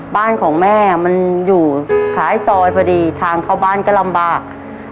บ้านของแม่มันอยู่ท้ายซอยพอดีทางเข้าบ้านก็ลำบาก